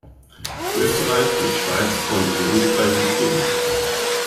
Österreich und die Schweiz konnten sich nicht qualifizieren.